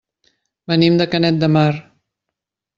Venim de Canet de Mar.